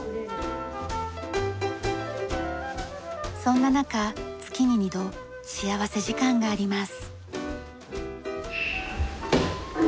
そんな中月に２度幸福時間があります。